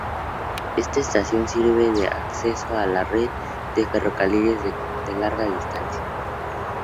Esta estación sirve de acceso a la red de ferrocarriles de larga distancia.